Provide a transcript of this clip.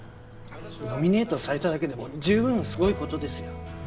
ノミネートされただけでも十分すごいことですよ